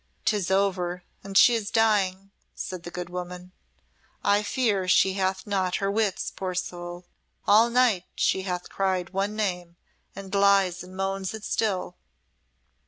"'Tis over, and she is dying," said the good woman. "I fear she hath not her wits, poor soul. All night she hath cried one name, and lies and moans it still."